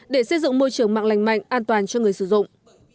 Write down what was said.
để xây dựng môi trường mạng lành mạnh an toàn cho người sử dụng